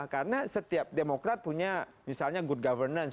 karena setiap demokrat punya misalnya good governance